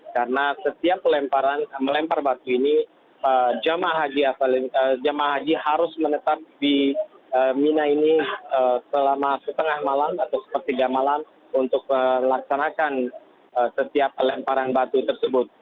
karena setiap pelemparan melempar batu ini jomah haji aswalin jomah haji harus menetap di mina ini selama setengah malam atau sepertiga malam untuk melaksanakan setiap pelemparan batu tersebut